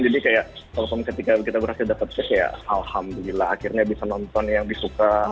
jadi kayak langsung ketika kita berhasil dapat seks ya alhamdulillah akhirnya bisa nonton yang disuka